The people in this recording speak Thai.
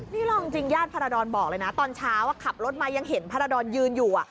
นี่เราจริงญาติพาราดรบอกเลยนะตอนเช้าขับรถมายังเห็นพระรดรยืนอยู่